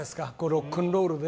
ロックンロールで。